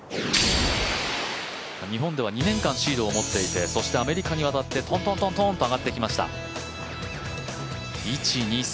日本では２年間シードを持っていてそしてアメリカに渡ってトントンと上がってきました。